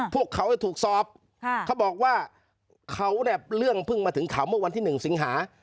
พวกเขาจะถูกสอบเขาบอกว่าเขาเนี่ยเรื่องเพิ่งมาถึงเขาเมื่อวันที่๑สิงหา